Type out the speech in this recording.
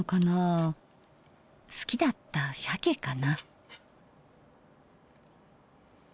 好きだったしゃけかな。